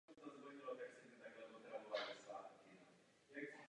Nevyváženost je proto obrovská.